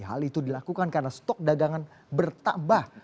hal itu dilakukan karena stok dagangan bertambah